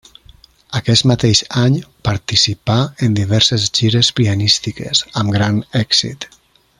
Aquest mateix any participà en diverses gires pianístiques, amb gran èxit.